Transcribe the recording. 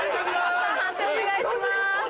判定お願いします。